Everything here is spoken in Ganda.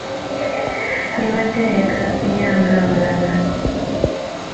Yabadde ayagala kulya nga abalala.